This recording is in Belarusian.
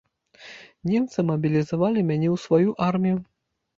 Немцы мабілізавалі мяне ў сваю армію.